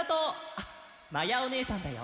あっまやおねえさんだよ。